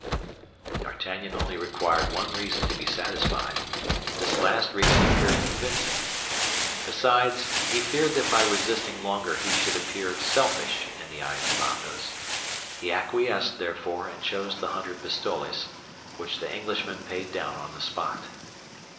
D'Artagnan only required one reason to be satisfied. This last reason appeared convincing. Besides, he feared that by resisting longer he should appear selfish in the eyes of Athos. He acquiesced, therefore, and chose the hundred pistoles, which the Englishman paid down on the spot.